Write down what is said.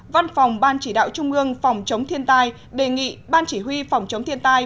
văn phòng ban chỉ đạo trung ương phòng chống thiên tai đề nghị ban chỉ huy phòng chống thiên tai